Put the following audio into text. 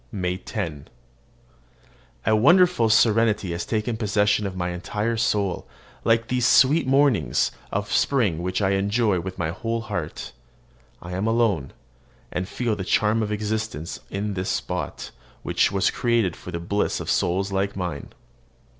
MAY 10. A wonderful serenity has taken possession of my entire soul, like these sweet mornings of spring which I enjoy with my whole heart. I am alone, and feel the charm of existence in this spot, which was created for the bliss of souls like mine.